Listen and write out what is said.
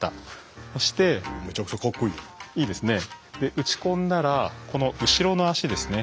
打ち込んだらこの後ろの足ですね